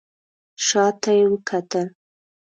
شا ته یې وکتل.